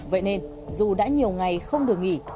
vậy nên dù đã nhiều ngày không được nghỉ